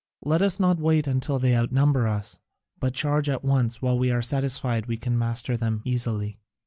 Let us not wait until they outnumber us, but charge at once while we are satisfied we can master them easily."